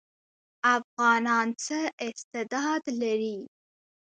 افغانان څه استعداد لري؟